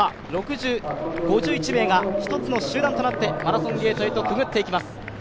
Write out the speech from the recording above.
５１名が１つの集団となってマラソンゲートをくぐっていきます。